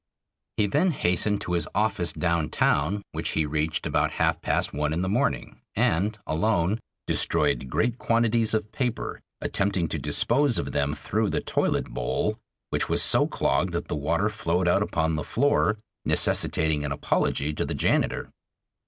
He then hastened to his office down town, which he reached about half past one in the morning, and, alone, destroyed great quantities of paper, attempting to dispose of them through the toilet bowl, which was so clogged that the water flowed out upon the floor, necessitating an apology to the janitor.